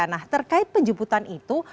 nah terkait penjemputan itu